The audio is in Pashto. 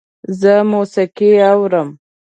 زه موسیقی اورم